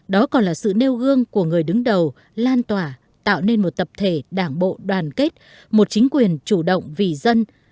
đó còn là sự nêu gương của người đứng đầu lan tỏa tạo nên một tập thể đảng bộ đoàn kết một chính quyền chủ động vì dân